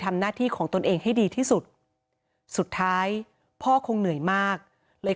ทำหน้าที่ของตนเองให้ดีที่สุดสุดท้ายพ่อคงเหนื่อยมากเลย